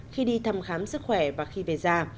khi đi thăm khám sức khỏe và khi về già